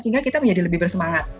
sehingga kita menjadi lebih bersemangat